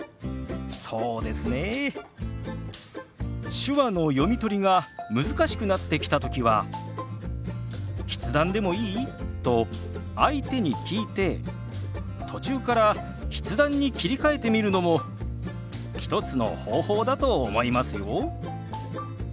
手話の読み取りが難しくなってきた時は「筆談でもいい？」と相手に聞いて途中から筆談に切り替えてみるのも一つの方法だと思いますよ。